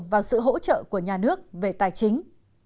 vào sự hỗ trợ của nhà nước về tài chính